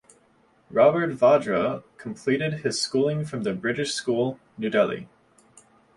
Robert Vadra completed his schooling from The British School, New Delhi.